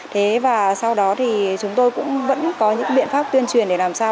thế và sau đó thì chúng tôi cũng vẫn có những biện pháp tuyên truyền để làm sao